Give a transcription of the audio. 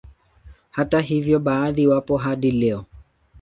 Hata hivyo baadhi wapo hadi leo